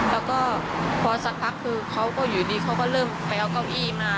แล้วก็พอสักพักคือเขาก็อยู่ดีเขาก็เริ่มไปเอาเก้าอี้มา